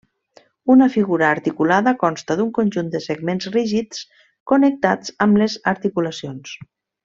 Una figura articulada consta d'un conjunt de segments rígids connectats amb les articulacions.